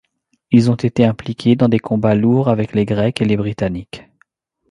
Ils ont été impliqués dans des combats lourds avec les Grecs et les Britanniques.